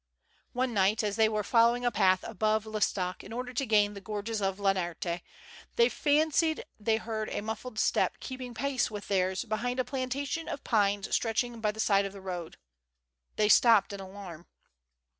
One night, as thejr were following a path above L'Estaque in order to gain the gorges of La Nerthe, they fancied they heard a muffled step keeping pace with theirs behind a plantation of pines stretching by the side of the road. They stopped in alarm.